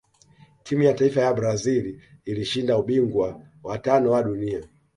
timu ya taifa ya brazil ilishinda ubingwa wa tano wa dunia